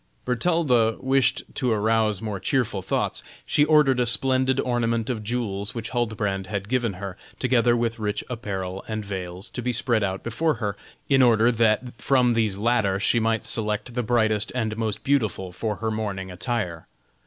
Bertalda wished to arouse more cheerful thoughts; she ordered a splendid ornament of jewels which Huldbrand had given her, together with rich apparel and veils, to be spread out before her, in order that from these latter she might select the brightest and most beautiful for her morning attire.